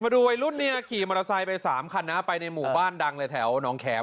ดูวัยรุ่นเนี่ยขี่มอเตอร์ไซค์ไป๓คันนะไปในหมู่บ้านดังเลยแถวน้องแขม